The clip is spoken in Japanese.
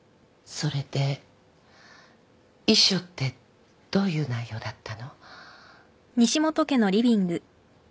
それで遺書ってどういう内容だったの？